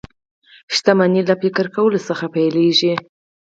شتمني له فکر کولو څخه پيلېږي